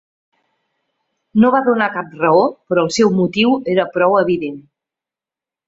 No va donar cap raó, però el seu motiu era prou evident.